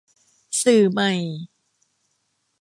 สื่อใหม่